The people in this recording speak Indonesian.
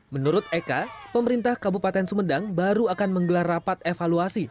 menurut eka pemerintah kabupaten sumedang baru akan menggelar rapat evaluasi